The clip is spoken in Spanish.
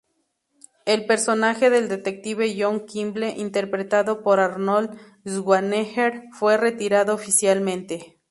El personaje del detective John Kimble, interpretado por Arnold Schwarzenegger, fue retirado oficialmente.